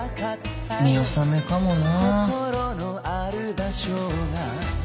見納めかもな。